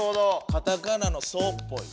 カタカナの「ソ」っぽい。